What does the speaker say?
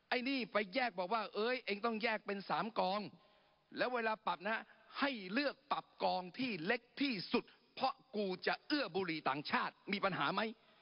ไอ้นี่ไปแยกบอกว่าเอ้ยเองต้องแยกเป็น๓กองแล้วเวลาปรับนะฮะให้เลือกปรับกองที่เล็กที่สุดเพราะกูจะเอื้อบุหรี่ต่างชาติมีปัญหาไหม